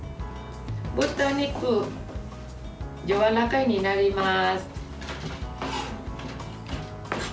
豚肉、やわらかくなります。